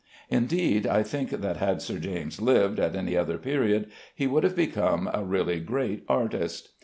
Indeed, I think that had Sir James lived at any other period he would have become a really great artist.